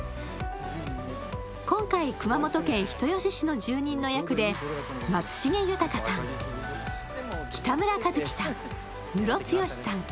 今回、熊本県人吉市の住人の役で松重豊さん、北村一輝さん、ムロツヨシさん